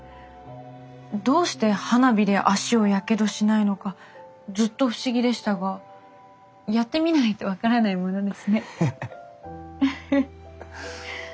どうして花火で足をやけどしないのかずっと不思議でしたがやってみないと分からないものですね。